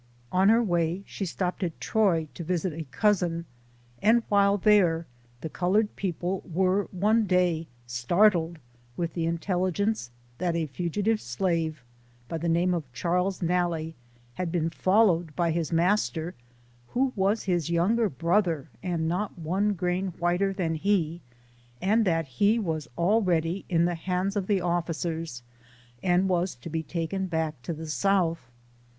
On her way, she stopped at Troy to visit a Cousin, and while there, the colored people were one day startled with the intelligence that a fugitive slave, by the name of Charles Nalle, had been followed by his master (who was his younger brother, and not one grain whiter than he), and that he was already in the hands of the officers, and was to be taken back to the South.